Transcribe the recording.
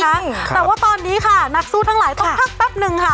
แต่ว่าตอนนี้ค่ะนักสู้ทั้งหลายต้องพักแป๊บนึงค่ะ